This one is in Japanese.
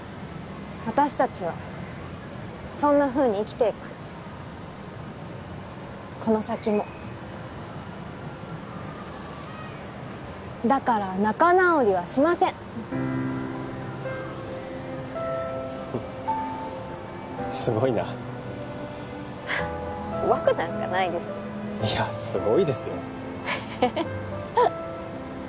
私たちはそんなふうに生きていくこの先もだから仲直りはしませんすごいなすごくなんかないですよいやすごいですよえっ？